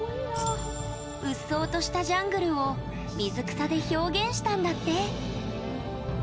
うっそうとしたジャングルを水草で表現したんだって。